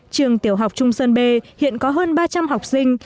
trường tiểu học trung sơn b hiện có hơn ba trăm linh học sinh